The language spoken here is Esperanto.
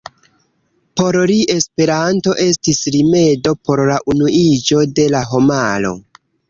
Por li Esperanto estis rimedo por la unuiĝo de la homaro.